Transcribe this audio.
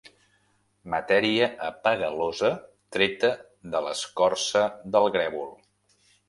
Matèria apegalosa treta de l'escorça del grèvol.